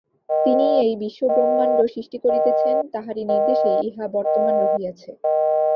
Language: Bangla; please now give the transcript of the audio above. তিনিই এই বিশ্বব্রহ্মাণ্ড সৃষ্টি করিতেছেন, তাঁহারই নির্দেশে ইহা বর্তমান রহিয়াছে।